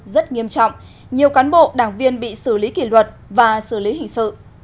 rất nghiêm trọng nhiều cán bộ đảng viên bị xử lý kỷ luật và xử lý hình sự